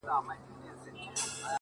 o توروه سترگي ښايستې په خامـوشـۍ كي؛